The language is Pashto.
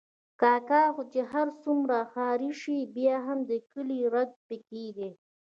کاکا خو چې هر څومره ښاري شي، بیا هم د کلي رګ پکې دی.